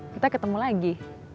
kita ketemu lagi